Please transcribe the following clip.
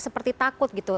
seperti takut gitu